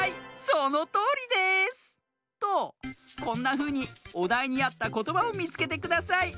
そのとおりです！とこんなふうにおだいにあったことばをみつけてください。